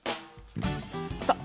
さあ